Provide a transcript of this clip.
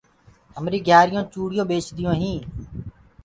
همري گھيآريونٚ چوڙيونٚ ٻيڪديونٚ هينٚ